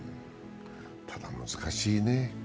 ただ難しいね。